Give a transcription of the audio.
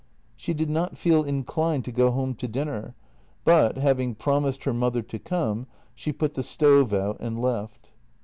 She did not feel inclined to go home to dinner, but, having promised her mother to come, she put the stove out and left.